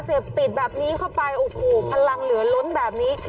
เสพติดแบบนี้เข้าไปโอ้โหพลังเหลือล้นแบบนี้